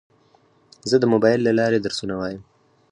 زه د موبایل له لارې درسونه وایم.